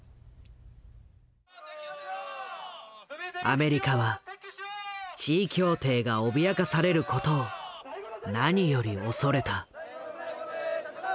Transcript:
アメリカは地位協定が脅かされることを何より恐れた。